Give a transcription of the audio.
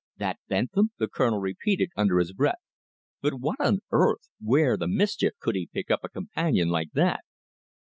"That Bentham!" the Colonel repeated, under his breath. "But what on earth where the mischief could he pick up a companion like that?"